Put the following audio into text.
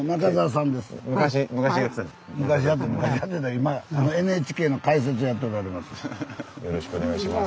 今ＮＨＫの解説やっておられます。